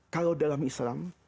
kalau dalam islam